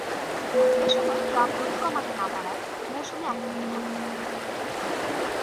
এ সময় ট্রাক গতি কমাতে না পারায় মৌসুমী আক্তারকে ধাক্কা দেয়।